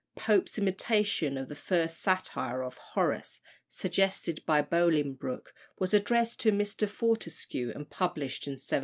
Pope's imitation of the first satire of Horace, suggested by Bolingbroke, was addressed to Mr. Fortescue, and published in 1733.